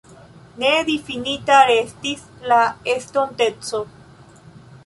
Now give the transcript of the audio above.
Nedifinita restis la estonteco.